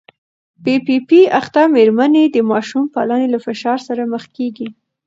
پي پي پي اخته مېرمنې د ماشوم پالنې له فشار سره مخ کېږي.